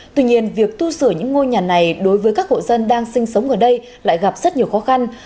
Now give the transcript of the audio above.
tuy nhiên việc tu sửa những ngôi nhà này đối với các hộ dân đang sinh sống ở đây lại gặp rất nhiều khó khăn